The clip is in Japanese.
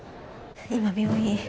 今病院。